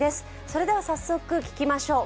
それでは早速聞きましょう。